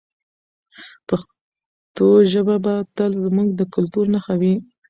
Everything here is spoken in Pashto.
پښتو ژبه به تل زموږ د کلتور نښه وي.